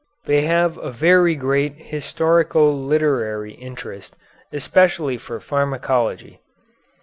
They have a very great historico literary interest, especially for pharmacology.